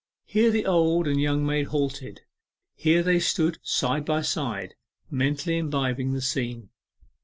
Here the old and young maid halted; here they stood, side by side, mentally imbibing the scene.